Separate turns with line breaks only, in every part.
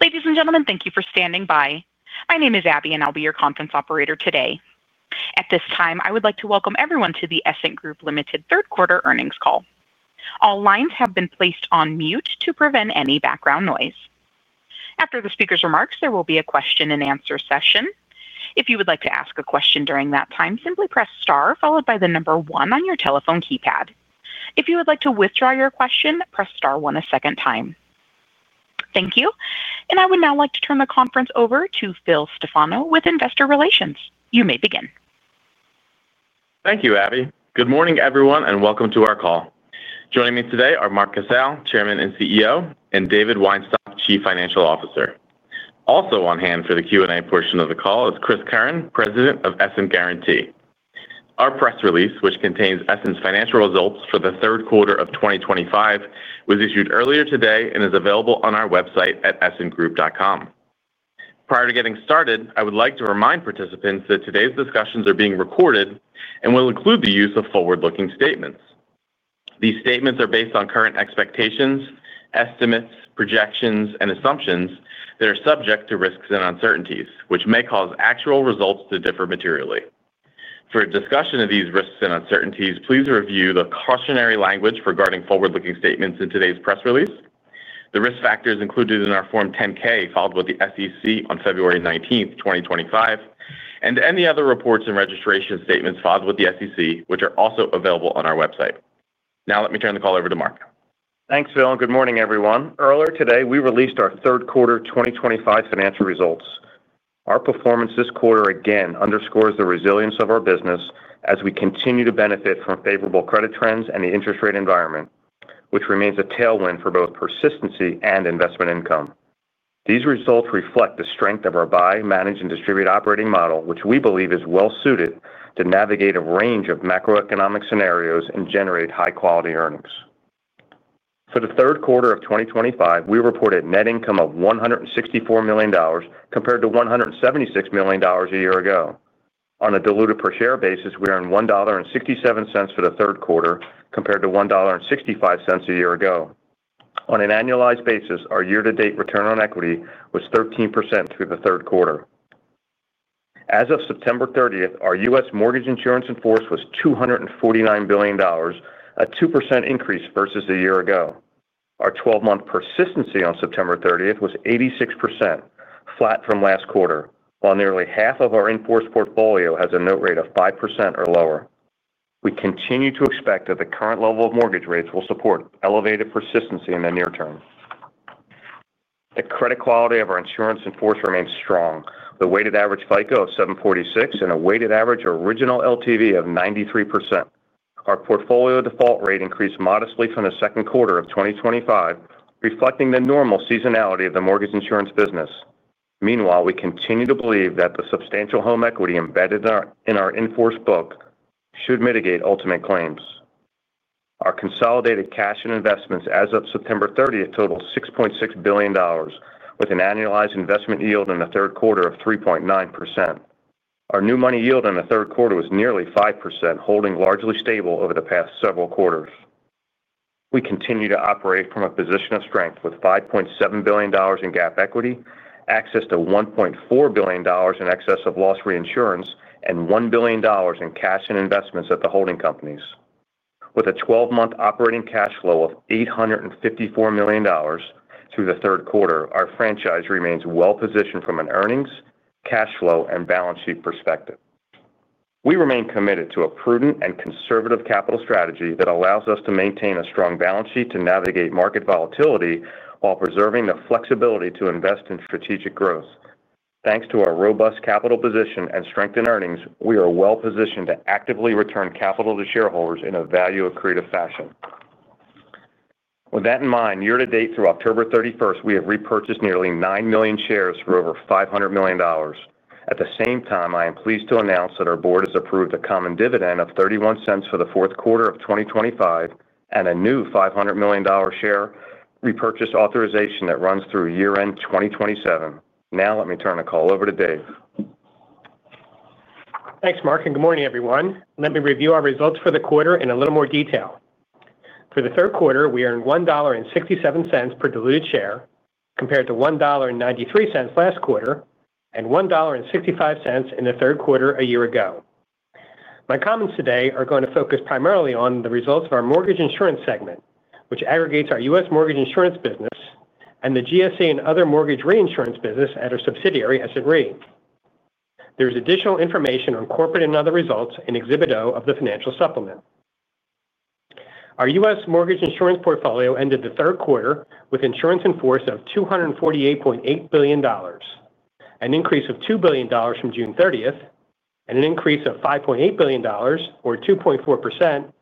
Ladies and gentlemen, thank you for standing by. My name is Abby, and I'll be your conference operator today. At this time, I would like to welcome everyone to the Essent Group Limited third quarter earnings call. All lines have been placed on mute to prevent any background noise. After the speaker's remarks, there will be a question-and-answer session. If you would like to ask a question during that time, simply press star followed by the number one on your telephone keypad. If you would like to withdraw your question, press star one a second time. Thank you. I would now like to turn the conference over to Phil Stefano with Investor Relations. You may begin.
Thank you, Abby. Good morning, everyone, and welcome to our call. Joining me today are Mark Casale, Chairman and CEO, and David Weinstock, Chief Financial Officer. Also on hand for the Q&A portion of the call is Chris Curran, President of Essent Guarantee. Our press release, which contains Essent's financial results for the third quarter of 2025, was issued earlier today and is available on our website at essentgroup.com. Prior to getting started, I would like to remind participants that today's discussions are being recorded and will include the use of forward-looking statements. These statements are based on current expectations, estimates, projections, and assumptions that are subject to risks and uncertainties, which may cause actual results to differ materially. For a discussion of these risks and uncertainties, please review the cautionary language regarding forward-looking statements in today's press release, the risk factors included in our Form 10-K filed with the SEC on February 19, 2025, and any other reports and registration statements filed with the SEC, which are also available on our website. Now, let me turn the call over to Mark.
Thanks, Phil. Good morning, everyone. Earlier today, we released our third quarter 2025 financial results. Our performance this quarter again underscores the resilience of our business as we continue to benefit from favorable credit trends and the interest rate environment, which remains a tailwind for both persistency and investment income. These results reflect the strength of our buy, manage, and distribute operating model, which we believe is well-suited to navigate a range of macroeconomic scenarios and generate high-quality earnings. For the third quarter of 2025, we reported a net income of $164 million compared to $176 million a year ago. On a diluted per share basis, we earned $1.67 for the third quarter compared to $1.65 a year ago. On an annualized basis, our year-to-date return on equity was 13% through the third quarter. As of September 30t, our U.S. Mortgage insurance in force was $249 billion, a 2% increase versus a year ago. Our 12-month persistency on September 30t was 86%, flat from last quarter, while nearly half of our in force portfolio has a note rate of 5% or lower. We continue to expect that the current level of mortgage rates will support elevated persistency in the near term. The credit quality of our insurance in force remains strong, with a weighted average FICO of 746 and a weighted average original LTV of 93%. Our portfolio default rate increased modestly from the second quarter of 2025, reflecting the normal seasonality of the mortgage insurance business. Meanwhile, we continue to believe that the substantial home equity embedded in our in force book should mitigate ultimate claims. Our consolidated cash and investments as of September 30th totaled $6.6 billion, with an annualized investment yield in the third quarter of 3.9%. Our new money yield in the third quarter was nearly 5%, holding largely stable over the past several quarters. We continue to operate from a position of strength with $5.7 billion in gap equity, access to $1.4 billion in excess of loss reinsurance, and $1 billion in cash and investments at the holding companies. With a 12-month operating cash flow of $854 million through the third quarter, our franchise remains well-positioned from an earnings, cash flow, and balance sheet perspective. We remain committed to a prudent and conservative capital strategy that allows us to maintain a strong balance sheet to navigate market volatility while preserving the flexibility to invest in strategic growth. Thanks to our robust capital position and strengthened earnings, we are well-positioned to actively return capital to shareholders in a value-accretive fashion. With that in mind, year-to-date through October 31st, we have repurchased nearly 9 million shares for over $500 million. At the same time, I am pleased to announce that our board has approved a common dividend of $0.31 for the fourth quarter of 2025 and a new $500 million share repurchase authorization that runs through year-end 2027. Now, let me turn the call over to Dave.
Thanks, Mark. Good morning, everyone. Let me review our results for the quarter in a little more detail. For the third quarter, we earned $1.67 per diluted share compared to $1.93 last quarter and $1.65 in the third quarter a year ago. My comments today are going to focus primarily on the results of our mortgage insurance segment, which aggregates our U.S. mortgage insurance business and the GSE and other mortgage reinsurance business at our subsidiary, Essent Re. There is additional information on corporate and other results in Exhibit O of the financial supplement. Our U.S. mortgage insurance portfolio ended the third quarter with insurance in force of $248.8 billion, an increase of $2 billion from June 30th, and an increase of $5.8 billion, or 2.4%,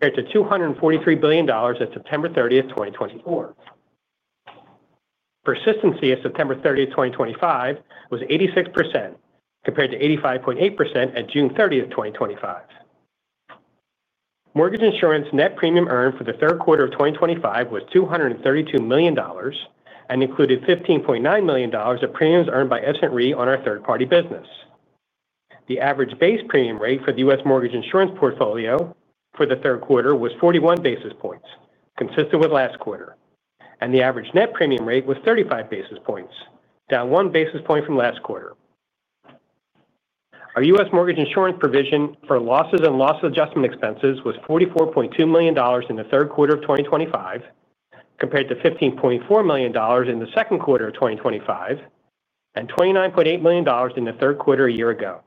compared to $243 billion at September 30th, 2022. Persistency as of September 30th, 2023, was 86% compared to 85.8% at June 30th, 2023. Mortgage insurance net premium earned for the third quarter of 2025 was $232 million and included $15.9 million of premiums earned by Essent Re on our third-party business. The average base premium rate for the U.S. mortgage insurance portfolio for the third quarter was 41 basis points, consistent with last quarter, and the average net premium rate was 35 basis points, down one basis point from last quarter. Our U.S. mortgage insurance provision for losses and loss adjustment expenses was $44.2 million in the third quarter of 2025 compared to $15.4 million in the second quarter of 2025 and $29.8 million in the third quarter a year ago.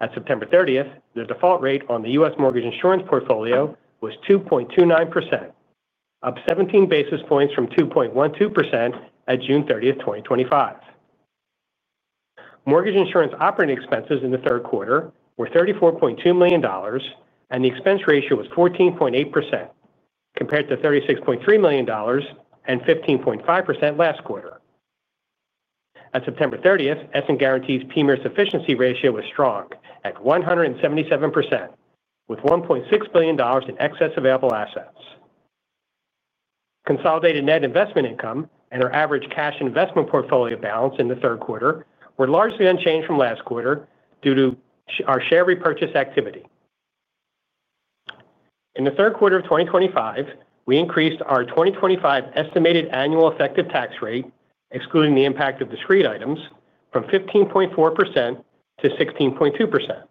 At September 30th, the default rate on the U.S. mortgage insurance portfolio was 2.29%, up 17 basis points from 2.12% at June 30th, 2025. Mortgage insurance operating expenses in the third quarter were $34.2 million, and the expense ratio was 14.8% compared to $36.3 million and 15.5% last quarter. At September 30th, Essent Guarantee's PMIERs sufficiency ratio was strong at 177%, with $1.6 billion in excess available assets. Consolidated net investment income and our average cash investment portfolio balance in the third quarter were largely unchanged from last quarter due to our share repurchase activity. In the third quarter of 2025, we increased our 2025 estimated annual effective tax rate, excluding the impact of discrete items, from 15.4% to 16.2%.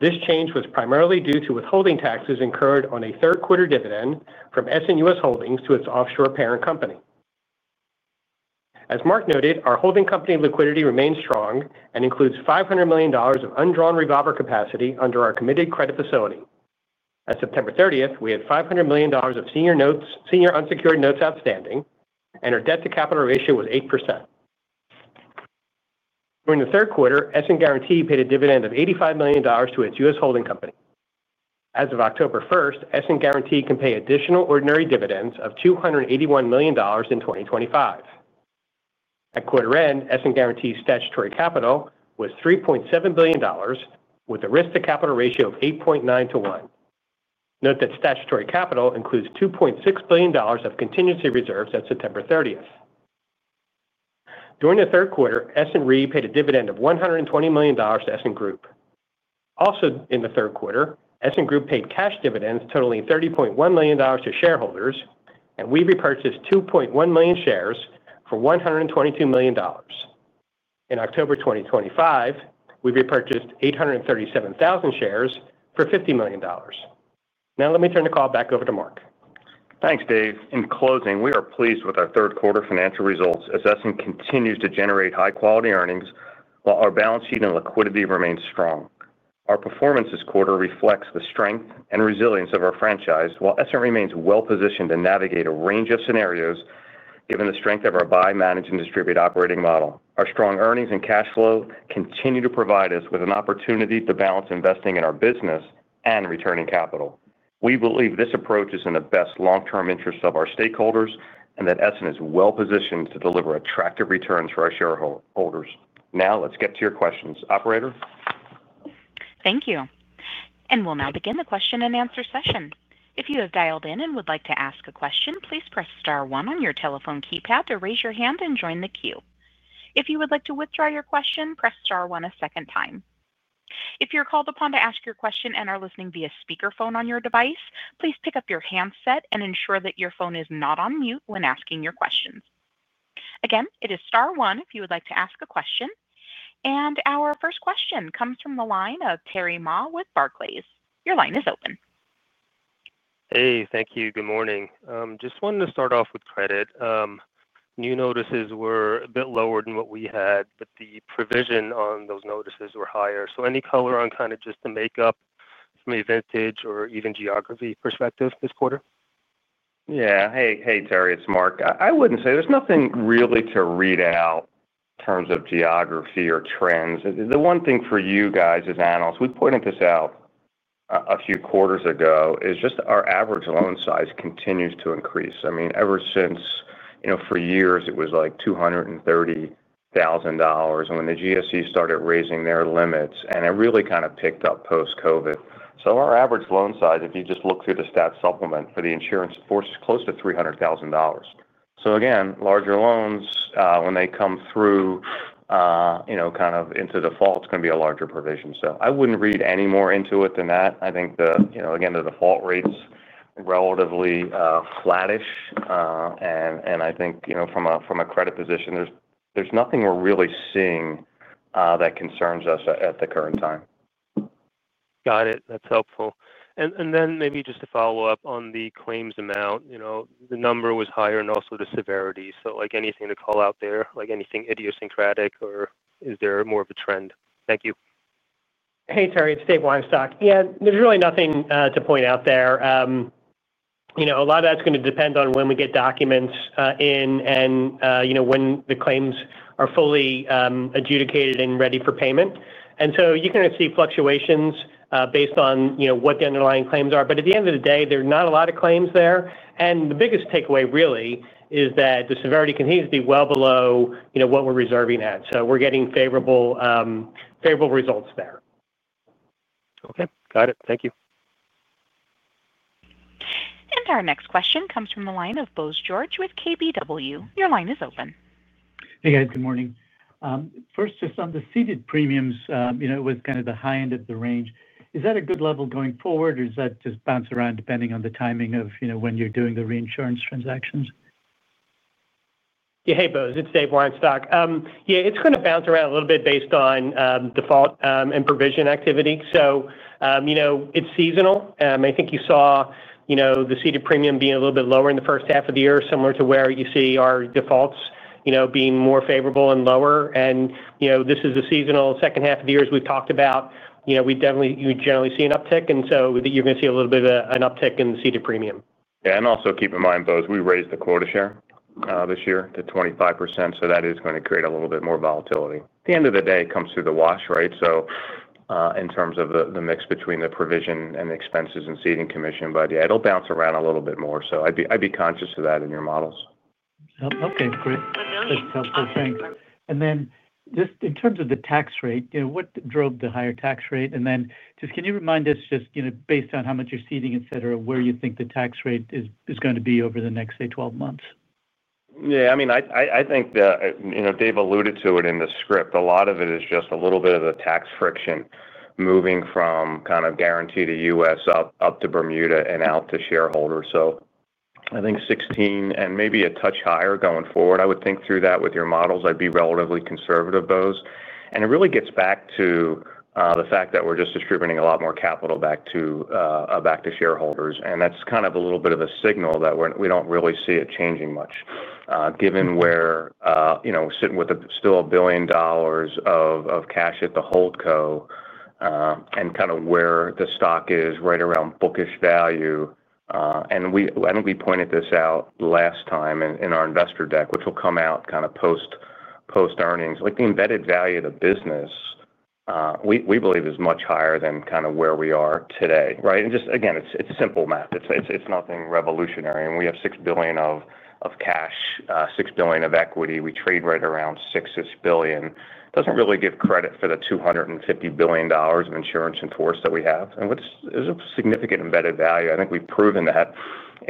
This change was primarily due to withholding taxes incurred on a third-quarter dividend from Essent U.S. Holdings to its offshore parent company. As Mark noted, our holding company liquidity remains strong and includes $500 million of undrawn revolver capacity under our committed credit facility. At September 30th, we had $500 million of senior unsecured notes outstanding, and our debt-to-capital ratio was 8%. During the third quarter, Essent Guarantee paid a dividend of $85 million to its U.S. holding company. As of October 1st, Essent Guarantee can pay additional ordinary dividends of $281 million in 2025. At quarter end, Essent Guarantee's statutory capital was $3.7 billion, with a risk-to-capital ratio of 8.9 to 1. Note that statutory capital includes $2.6 billion of contingency reserves at September 30th. During the third quarter, Essent Re paid a dividend of $120 million to Essent Group. Also in the third quarter, Essent Group paid cash dividends totaling $30.1 million to shareholders, and we repurchased 2.1 million shares for $122 million. In October 2025, we repurchased 837,000 shares for $50 million. Now, let me turn the call back over to Mark.
Thanks, Dave. In closing, we are pleased with our third-quarter financial results. Essent continues to generate high-quality earnings while our balance sheet and liquidity remain strong. Our performance this quarter reflects the strength and resilience of our franchise, while Essent remains well-positioned to navigate a range of scenarios given the strength of our buy, manage, and distribute operating model. Our strong earnings and cash flow continue to provide us with an opportunity to balance investing in our business and returning capital. We believe this approach is in the best long-term interest of our stakeholders and that Essent is well-positioned to deliver attractive returns for our shareholders. Now, let's get to your questions, operator.
Thank you. We will now begin the question-and-answer session. If you have dialed in and would like to ask a question, please press star one on your telephone keypad to raise your hand and join the queue. If you would like to withdraw your question, press star one a second time. If you are called upon to ask your question and are listening via speakerphone on your device, please pick up your handset and ensure that your phone is not on mute when asking your questions. Again, it is star one if you would like to ask a question. Our first question comes from the line of Terry Ma with Barclays. Your line is open.
Hey, thank you. Good morning. Just wanted to start off with credit. New notices were a bit lower than what we had, but the provision on those notices were higher. Any color on kind of just the makeup from a vintage or even geography perspective this quarter?
Yeah. Hey, Terry, it's Mark. I wouldn't say there's nothing really to read out in terms of geography or trends. The one thing for you guys as analysts, we pointed this out a few quarters ago, is just our average loan size continues to increase. I mean, ever since for years, it was like $230,000 when the GSEs started raising their limits, and it really kind of picked up post-COVID. Our average loan size, if you just look through the stats supplement for the insurance in force, is close to $300,000. Again, larger loans, when they come through kind of into default, it's going to be a larger provision. I wouldn't read any more into it than that. I think, again, the default rate's relatively flattish, and I think from a credit position, there's nothing we're really seeing that concerns us at the current time.
Got it. That's helpful. Maybe just to follow up on the claims amount, the number was higher and also the severity. Anything to call out there, like anything idiosyncratic, or is there more of a trend? Thank you.
Hey, Terry. It's Dave Weinstock. Yeah, there's really nothing to point out there. A lot of that's going to depend on when we get documents in and when the claims are fully adjudicated and ready for payment. You can see fluctuations based on what the underlying claims are. At the end of the day, there are not a lot of claims there. The biggest takeaway, really, is that the severity continues to be well below what we're reserving at. We're getting favorable results there.
Okay. Got it. Thank you.
Our next question comes from the line of Bose George with KBW. Your line is open.
Hey, guys. Good morning. First, just on the seeded premiums with kind of the high end of the range, is that a good level going forward, or does that just bounce around depending on the timing of when you're doing the reinsurance transactions?
Yeah. Hey, Bose. It's Dave Weinstock. Yeah, it's going to bounce around a little bit based on default and provision activity. It is seasonal. I think you saw the seeded premium being a little bit lower in the first half of the year, similar to where you see our defaults being more favorable and lower. This is a seasonal second half of the year, as we've talked about. We generally see an uptick, and you are going to see a little bit of an uptick in the seeded premium.
Yeah. Also keep in mind, Bose, we raised the quota share this year to 25%, so that is going to create a little bit more volatility. At the end of the day, it comes through the wash, right? In terms of the mix between the provision and the expenses and seeding commission by the end, it'll bounce around a little bit more. I'd be conscious of that in your models.
Okay. Great. Thanks. In terms of the tax rate, what drove the higher tax rate? Can you remind us, just based on how much you're seeding, etc., where you think the tax rate is going to be over the next, say, 12 months?
Yeah. I mean, I think Dave alluded to it in the script. A lot of it is just a little bit of the tax friction moving from kind of Guarantee to U.S. up to Bermuda and out to shareholders. I think 16 and maybe a touch higher going forward. I would think through that with your models, I'd be relatively conservative, Bose. It really gets back to the fact that we're just distributing a lot more capital back to shareholders. That's kind of a little bit of a signal that we don't really see it changing much, given we're sitting with still a billion dollars of cash at the Holdco and kind of where the stock is right around bookish value. I think we pointed this out last time in our investor deck, which will come out kind of post-earnings. The embedded value of the business, we believe, is much higher than kind of where we are today, right? It is just, again, simple math. It is nothing revolutionary. We have $6 billion of cash, $6 billion of equity. We trade right around $6 billion. It does not really give credit for the $250 billion of insurance in force that we have. There is a significant embedded value. I think we have proven that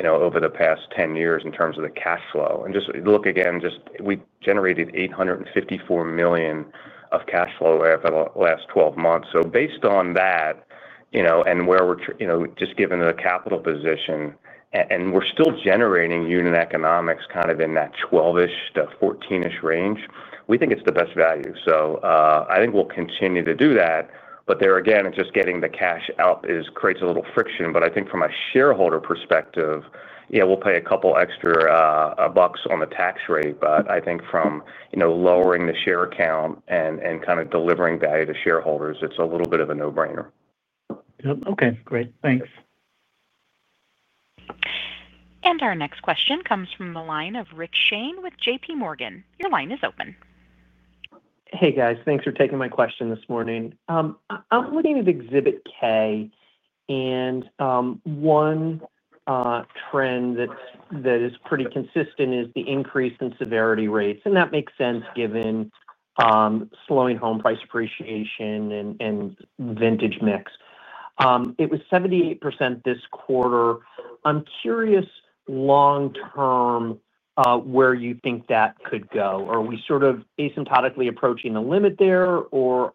over the past 10 years in terms of the cash flow. Just look again, we generated $854 million of cash flow over the last 12 months. Based on that and where we are just given the capital position, and we are still generating unit economics kind of in that 12%-14% range, we think it is the best value. I think we will continue to do that. There, again, it's just getting the cash out creates a little friction. I think from a shareholder perspective, yeah, we'll pay a couple extra bucks on the tax rate. I think from lowering the share count and kind of delivering value to shareholders, it's a little bit of a no-brainer.
Yep. Okay. Great. Thanks.
Our next question comes from the line of Rick Shane with JPMorgan. Your line is open.
Hey, guys. Thanks for taking my question this morning. I'm looking at Exhibit K, and one trend that is pretty consistent is the increase in severity rates. And that makes sense given slowing home price appreciation and vintage mix. It was 78% this quarter. I'm curious long-term where you think that could go. Are we sort of asymptotically approaching the limit there, or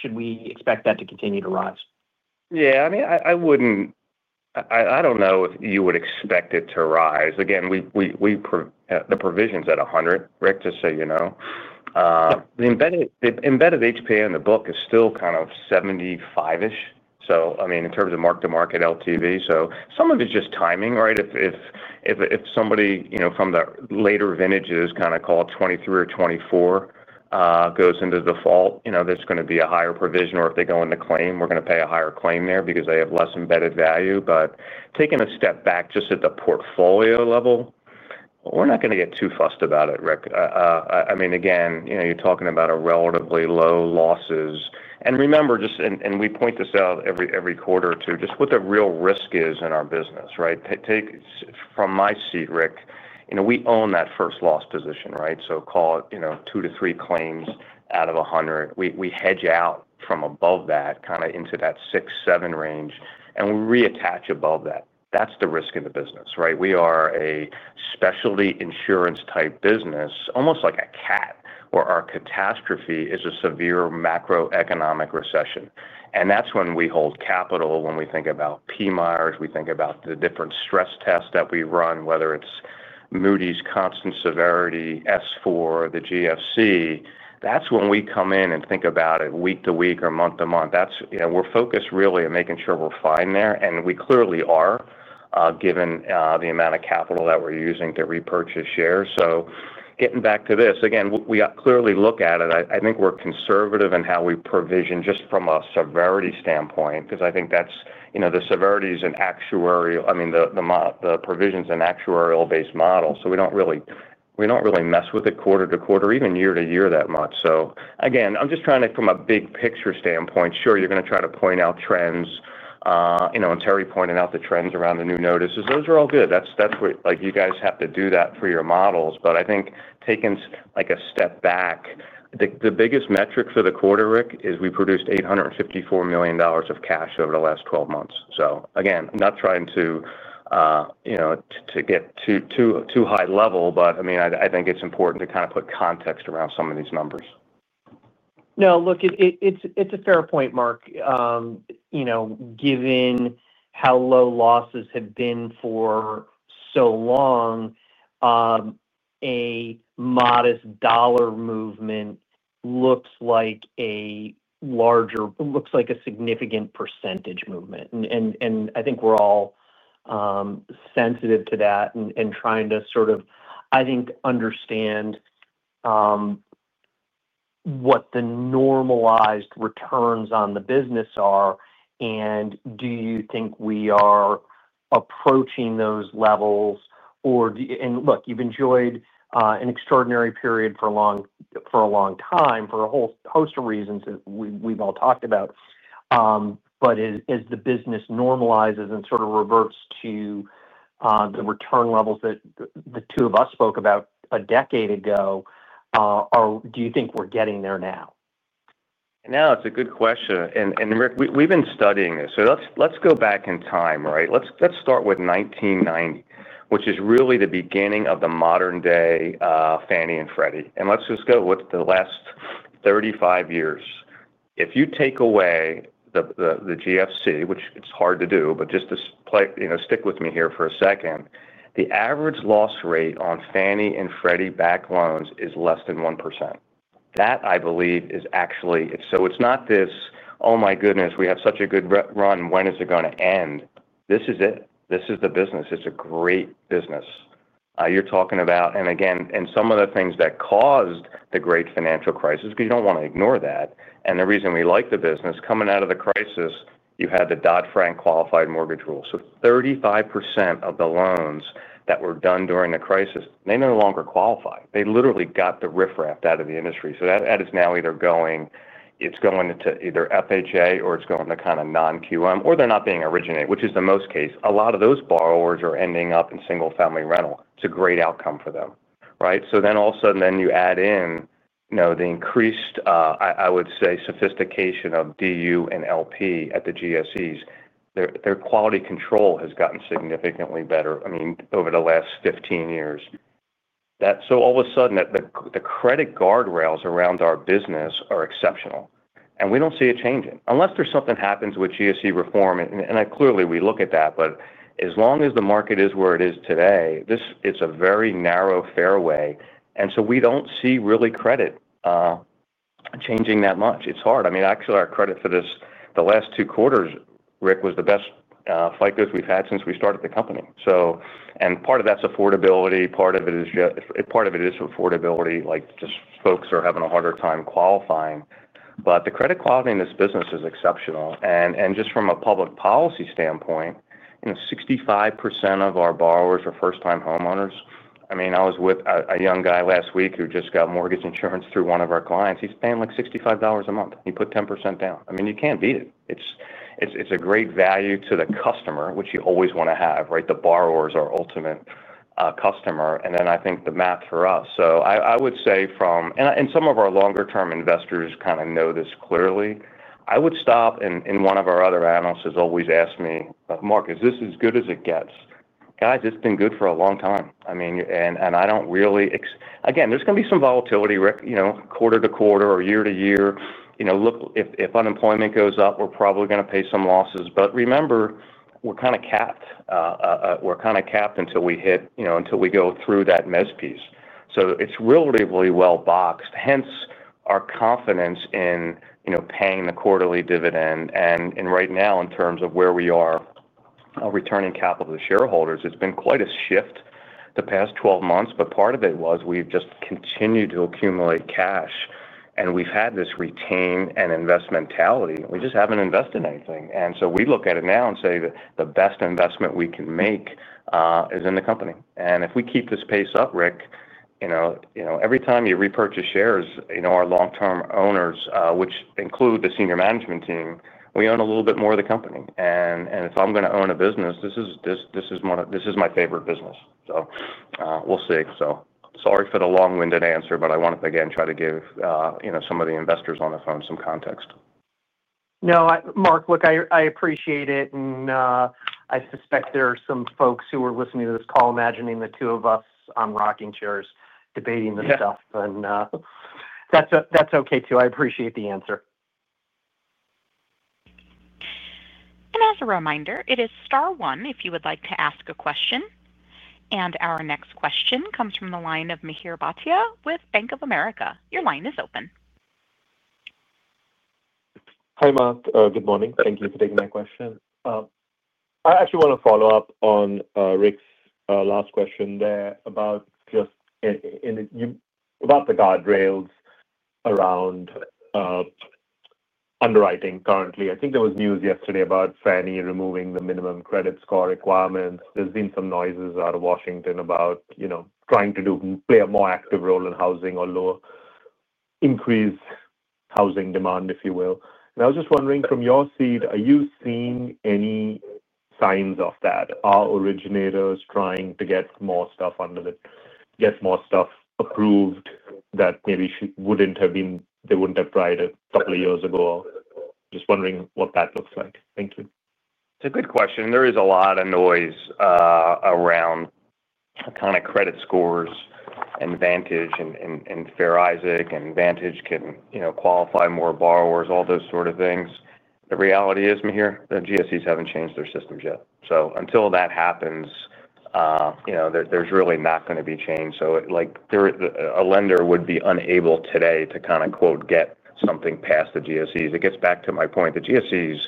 should we expect that to continue to rise?
Yeah. I mean, I do not know if you would expect it to rise. Again, the provision's at 100, Rick, just so you know. The embedded HPA on the book is still kind of 75-ish, so I mean, in terms of mark-to-market LTV. Some of it is just timing, right? If somebody from the later vintages, kind of call it 2023 or 2024, goes into default, there is going to be a higher provision. If they go into claim, we are going to pay a higher claim there because they have less embedded value. Taking a step back just at the portfolio level, we are not going to get too fussed about it, Rick. I mean, again, you are talking about relatively low losses. Remember, and we point this out every quarter or two, just what the real risk is in our business, right? From my seat, Rick, we own that first loss position, right? Call it two to three claims out of 100. We hedge out from above that, kind of into that 6-7 range, and we reattach above that. That is the risk in the business, right? We are a specialty insurance-type business, almost like a cat where our catastrophe is a severe macroeconomic recession. That is when we hold capital. When we think about PMIERs, we think about the different stress tests that we run, whether it is Moody's constant severity, S4, the GFC. That is when we come in and think about it week to week or month to month. We are focused really on making sure we are fine there, and we clearly are given the amount of capital that we are using to repurchase shares. Getting back to this, again, we clearly look at it. I think we're conservative in how we provision just from a severity standpoint because I think the severity is an actuary—I mean, the provision's an actuarial-based model. We don't really mess with it quarter to quarter, even year to year that much. Again, I'm just trying to, from a big-picture standpoint, sure, you're going to try to point out trends. Terry pointed out the trends around the new notices. Those are all good. You guys have to do that for your models. I think taking a step back, the biggest metric for the quarter, Rick, is we produced $854 million of cash over the last 12 months. Again, I'm not trying to get too high level, but I mean, I think it's important to kind of put context around some of these numbers.
No, look, it's a fair point, Mark. Given how low losses have been for so long, a modest dollar movement looks like a larger, looks like a significant percentage movement. I think we're all sensitive to that and trying to sort of, I think, understand what the normalized returns on the business are. Do you think we are approaching those levels? Look, you've enjoyed an extraordinary period for a long time for a whole host of reasons that we've all talked about. As the business normalizes and sort of reverts to the return levels that the two of us spoke about a decade ago, do you think we're getting there now?
Now, it's a good question. Rick, we've been studying this. Let's go back in time, right? Let's start with 1990, which is really the beginning of the modern-day Fannie and Freddie. Let's just go with the last 35 years. If you take away the GFC, which it's hard to do, but just stick with me here for a second, the average loss rate on Fannie and Freddie back loans is less than 1%. That, I believe, is actually—so it's not this, "Oh my goodness, we have such a good run. When is it going to end?" This is it. This is the business. It's a great business. You're talking about—and again, some of the things that caused the great financial crisis because you don't want to ignore that. The reason we like the business, coming out of the crisis, you had the Dodd-Frank qualified mortgage rule. 35% of the loans that were done during the crisis, they no longer qualified. They literally got the riff raff out of the industry. That is now either going—it's going into either FHA, or it's going to kind of non-QM, or they're not being originated, which is the most case. A lot of those borrowers are ending up in single-family rental. It's a great outcome for them, right? All of a sudden, you add in the increased, I would say, sophistication of DU and LP at the GSEs. Their quality control has gotten significantly better, I mean, over the last 15 years. All of a sudden, the credit guardrails around our business are exceptional. We do not see a change in it unless there is something that happens with GSC reform. Clearly, we look at that. As long as the market is where it is today, it is a very narrow fairway. We do not see really credit changing that much. It is hard. I mean, actually, our credit for the last two quarters, Rick, was the best FICOs we have had since we started the company. Part of that is affordability. Part of it is just—part of it is affordability. Folks are having a harder time qualifying. The credit quality in this business is exceptional. Just from a public policy standpoint, 65% of our borrowers are first-time homeowners. I mean, I was with a young guy last week who just got mortgage insurance through one of our clients. He is paying like $65 a month. He put 10% down. I mean, you can't beat it. It's a great value to the customer, which you always want to have, right? The borrowers are the ultimate customer. I think the math for us. I would say from—and some of our longer-term investors kind of know this clearly. I would stop, and one of our other analysts has always asked me, "Mark, is this as good as it gets?" Guys, it's been good for a long time. I mean, I don't really—again, there's going to be some volatility, Rick, quarter to quarter or year to year. Look, if unemployment goes up, we're probably going to pay some losses. Remember, we're kind of capped. We're kind of capped until we hit—until we go through that mess piece. It's really well boxed. Hence, our confidence in paying the quarterly dividend. Right now, in terms of where we are returning capital to shareholders, it has been quite a shift the past 12 months. Part of it was we have just continued to accumulate cash. We have had this retain-and-invest mentality. We just have not invested in anything. We look at it now and say the best investment we can make is in the company. If we keep this pace up, Rick, every time you repurchase shares, our long-term owners, which include the senior management team, we own a little bit more of the company. If I am going to own a business, this is my favorite business. We will see. Sorry for the long-winded answer, but I wanted to, again, try to give some of the investors on the phone some context.
No, Mark, look, I appreciate it. I suspect there are some folks who are listening to this call imagining the two of us on rocking chairs debating this stuff. That is okay too. I appreciate the answer.
As a reminder, it is star one if you would like to ask a question. Our next question comes from the line of Mahir Bhatia with Bank of America. Your line is open.
Hi, Mark. Good morning. Thank you for taking my question. I actually want to follow up on Rick's last question there about just about the guardrails around underwriting currently. I think there was news yesterday about Fannie removing the minimum credit score requirements. There's been some noises out of Washington about trying to play a more active role in housing or increase housing demand, if you will. I was just wondering, from your seat, are you seeing any signs of that? Are originators trying to get more stuff under the get more stuff approved that maybe they wouldn't have tried a couple of years ago? Just wondering what that looks like. Thank you.
It's a good question. There is a lot of noise around kind of credit scores and Vantage and Fair Isaac, and Vantage can qualify more borrowers, all those sort of things. The reality is, Mahir, the GSEs haven't changed their systems yet. Until that happens, there's really not going to be change. A lender would be unable today to kind of "get something past the GSEs." It gets back to my point. The GSEs,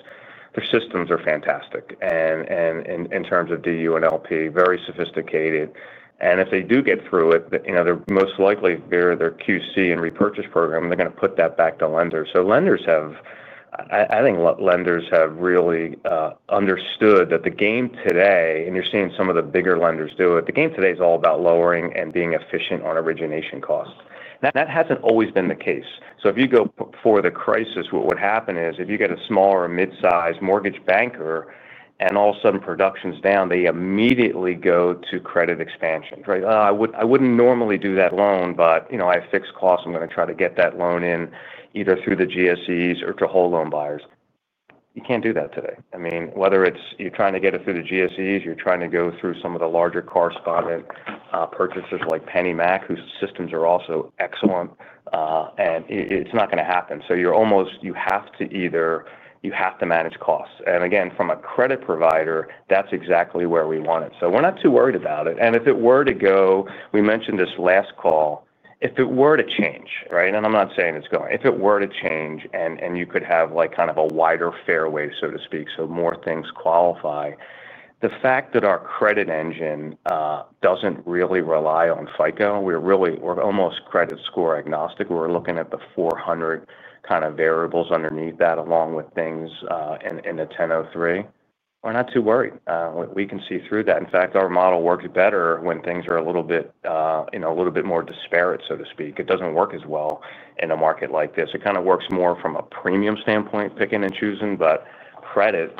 their systems are fantastic. In terms of DU and LP, very sophisticated. If they do get through it, most likely their QC and repurchase program, they're going to put that back to lenders. I think lenders have really understood that the game today—and you're seeing some of the bigger lenders do it—the game today is all about lowering and being efficient on origination costs. That has not always been the case. If you go before the crisis, what would happen is if you get a small or mid-size mortgage banker and all of a sudden production is down, they immediately go to credit expansion, right? "I would not normally do that loan, but I have fixed costs. I am going to try to get that loan in either through the GSEs or to whole loan buyers." You cannot do that today. I mean, whether you are trying to get it through the GSEs, you are trying to go through some of the larger correspondent purchasers like PennyMac, whose systems are also excellent. It is not going to happen. You have to manage costs. Again, from a credit provider, that is exactly where we want it. We are not too worried about it. If it were to go—we mentioned this last call—if it were to change, right? I am not saying it is going—if it were to change and you could have kind of a wider fairway, so to speak, so more things qualify, the fact that our credit engine does not really rely on FICO, we are almost credit score agnostic. We are looking at the 400 kind of variables underneath that, along with things in the 1003. We are not too worried. We can see through that. In fact, our model works better when things are a little bit more disparate, so to speak. It does not work as well in a market like this. It kind of works more from a premium standpoint, picking and choosing. Credit,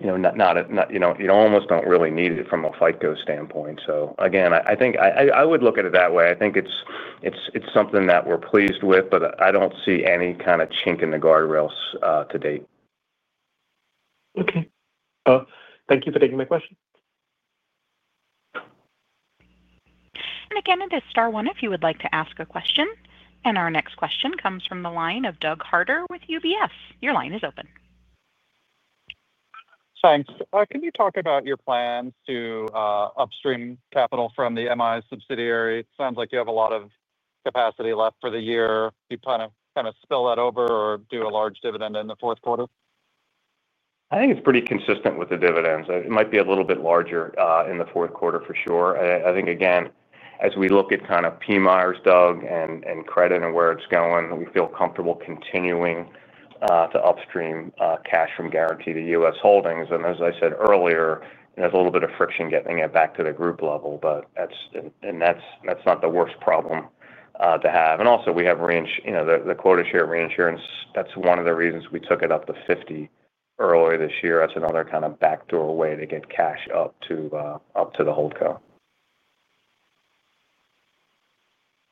you almost do not really need it from a FICO standpoint. I think I would look at it that way. I think it's something that we're pleased with, but I don't see any kind of chink in the guardrails to date.
Okay. Thank you for taking my question.
It is star one if you would like to ask a question. Our next question comes from the line of Doug Harder with UBS. Your line is open.
Thanks. Can you talk about your plans to upstream capital from the MI subsidiary? Sounds like you have a lot of capacity left for the year. You kind of spill that over or do a large dividend in the fourth quarter?
I think it's pretty consistent with the dividends. It might be a little bit larger in the fourth quarter for sure. I think, again, as we look at kind of PMIERs, Doug, and credit and where it's going, we feel comfortable continuing to upstream cash from Guarantee to US Holdings. As I said earlier, there's a little bit of friction getting it back to the group level. That's not the worst problem to have. Also, we have the quota share reinsurance. That's one of the reasons we took it up to 50 earlier this year. That's another kind of backdoor way to get cash up to the hold co.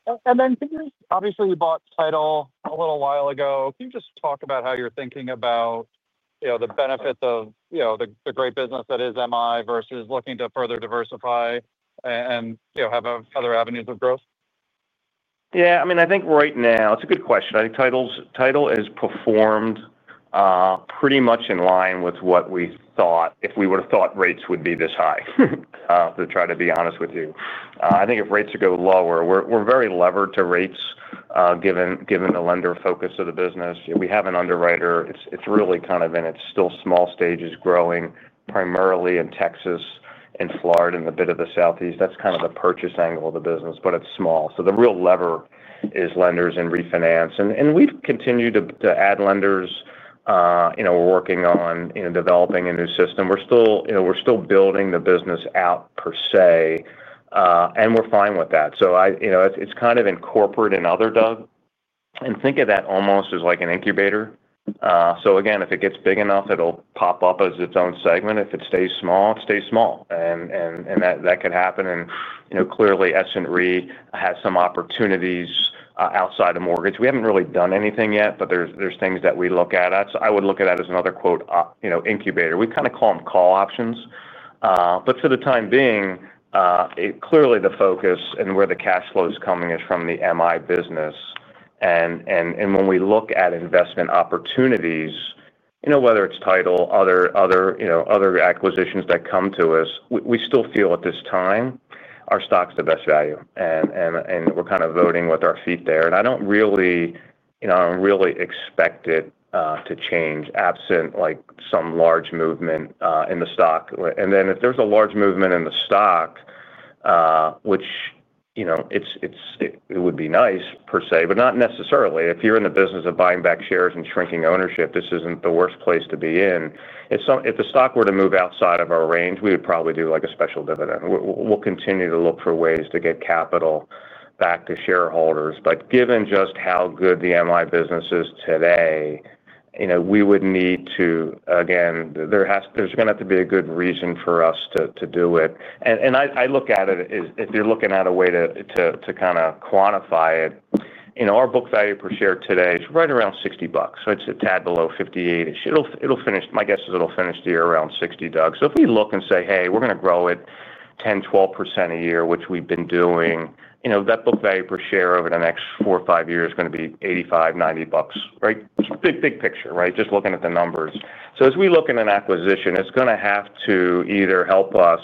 You bought Title a little while ago. Can you just talk about how you're thinking about the benefits of the great business that is MI versus looking to further diversify and have other avenues of growth?
Yeah. I mean, I think right now it's a good question. I think Title has performed pretty much in line with what we thought if we would have thought rates would be this high, to try to be honest with you. I think if rates go lower, we're very levered to rates given the lender focus of the business. We have an underwriter. It's really kind of in its still small stages growing, primarily in Texas and Florida and a bit of the Southeast. That's kind of the purchase angle of the business, but it's small. The real lever is lenders and refinance. We've continued to add lenders. We're working on developing a new system. We're still building the business out per se, and we're fine with that. It's kind of incorporated in other, Doug. Think of that almost as like an incubator. If it gets big enough, it'll pop up as its own segment. If it stays small, it stays small. That could happen. Clearly, Essent Re has some opportunities outside of mortgage. We haven't really done anything yet, but there are things that we look at. I would look at that as another "incubator." We kind of call them call options. For the time being, clearly, the focus and where the cash flow is coming is from the MI business. When we look at investment opportunities, whether it's Title, other acquisitions that come to us, we still feel at this time our stock's the best value. We're kind of voting with our feet there. I don't really expect it to change absent some large movement in the stock. If there is a large movement in the stock, which it would be nice per se, but not necessarily. If you are in the business of buying back shares and shrinking ownership, this is not the worst place to be in. If the stock were to move outside of our range, we would probably do a special dividend. We will continue to look for ways to get capital back to shareholders. Given just how good the MI business is today, we would need to, again, there is going to have to be a good reason for us to do it. I look at it as if you are looking at a way to kind of quantify it. Our book value per share today is right around $60. It is a tad below $58. My guess is it will finish the year around $60, Doug. If we look and say, "Hey, we're going to grow it 10-12% a year," which we've been doing, that book value per share over the next four or five years is going to be $85-$90, right? Big picture, right? Just looking at the numbers. As we look at an acquisition, it's going to have to either help us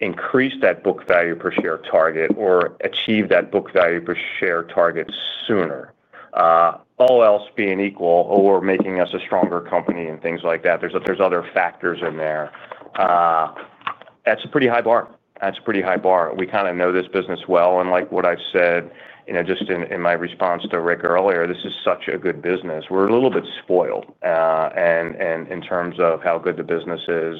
increase that book value per share target or achieve that book value per share target sooner. All else being equal, or making us a stronger company and things like that. There are other factors in there. That's a pretty high bar. That's a pretty high bar. We kind of know this business well. Like what I've said just in my response to Rick earlier, this is such a good business. We're a little bit spoiled in terms of how good the business is.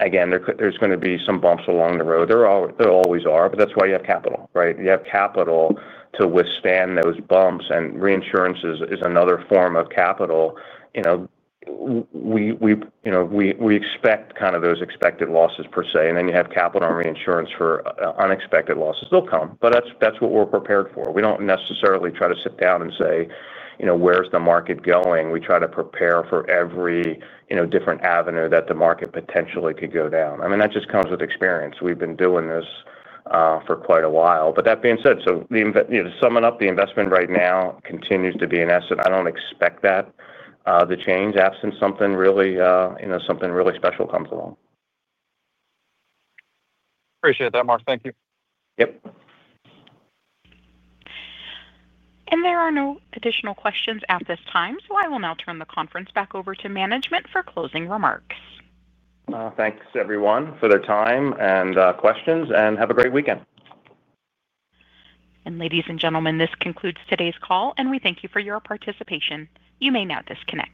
Again, there's going to be some bumps along the road. There always are. That is why you have capital, right? You have capital to withstand those bumps. Reinsurance is another form of capital. We expect kind of those expected losses per se. Then you have capital and reinsurance for unexpected losses. They'll come. That is what we're prepared for. We do not necessarily try to sit down and say, "Where's the market going?" We try to prepare for every different avenue that the market potentially could go down. I mean, that just comes with experience. We've been doing this for quite a while. That being said, to sum it up, the investment right now continues to be an asset. I do not expect that to change absent something really special comes along.
Appreciate that, Mark. Thank you.
Yep.
There are no additional questions at this time. I will now turn the conference back over to management for closing remarks.
Thanks, everyone, for their time and questions. Have a great weekend.
Ladies and gentlemen, this concludes today's call. We thank you for your participation. You may now disconnect.